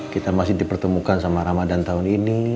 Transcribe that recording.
kita masih dipertemukan sama ramadan tahun ini